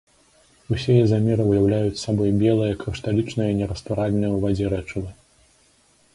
Усе ізамеры ўяўляюць сабой белыя крышталічныя нерастваральныя ў вадзе рэчывы.